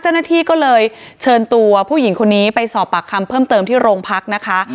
เจ้าหน้าที่ก็เลยเชิญตัวผู้หญิงคนนี้ไปสอบปากคำเพิ่มเติมที่โรงพักนะคะ